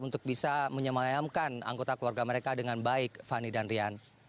untuk bisa menyemayamkan anggota keluarga mereka dengan baik fani dan rian